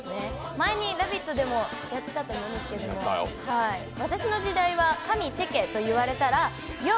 前に「ラヴィット！」でもやったと思うんですけど、私の時代はかみチェケと言われたらＹＯ！